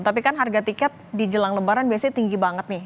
tapi kan harga tiket di jelang lebaran biasanya tinggi banget nih